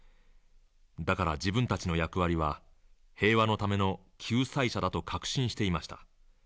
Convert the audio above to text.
だから自分たちの役割は平和のための救済者だと確信していました。